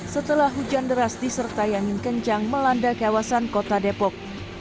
setelah hujan deras disertai angin kencang melanda kawasan kota depok